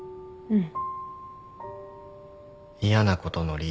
うん。